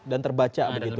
dan terbaca begitu